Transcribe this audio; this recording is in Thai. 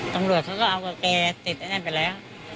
ตำรวจเขาก็เอากับแกติดไอ้นั่นไปแล้ว